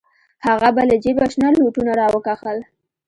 هغه به له جيبه شنه لوټونه راوکښل.